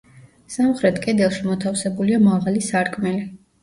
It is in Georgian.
სამხრეთ კედელში მოთავსებულია მაღალი სარკმელი.